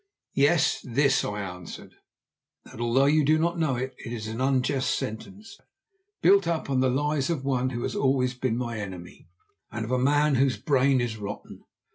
"Yes, this," I answered, "that although you do not know it, it is an unjust sentence, built up on the lies of one who has always been my enemy, and of a man whose brain is rotten.